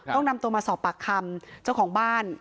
ต้องนำตัวมาสอบปากคำเจ้าของบ้าน